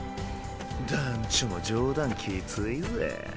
団ちょも冗談きついぜ。